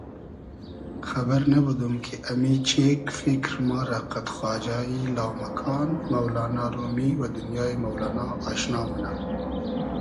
خئبئر نئبودوم کی امی چېگ فیکر ما رۂ قئد خواجۂ یی لامکان مۆلانا رومیؒ و دونیایی مۆلانا آشنا مونۂ